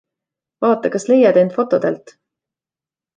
Vaata, kas leiad end fotodelt!